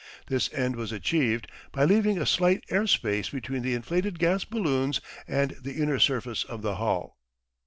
This end was achieved by leaving a slight air space between the inflated gas balloons and the inner surface of the hull.